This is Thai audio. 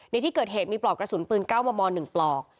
ในที่เกิดเหตุมีปลอกกระสุนปืน๙มม๑ปลอก